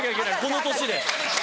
この年で。